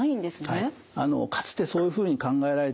はい。